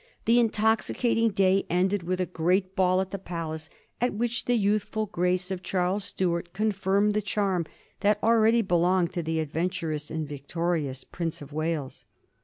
The intoxicating day ended with a great ball at the palace, at which the youthful grace of Charles Stuart confirmed the charm that already belonged to the adventurous and victorious Prince of Wales.